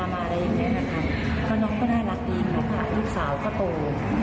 ไม่ได้ปิดประตู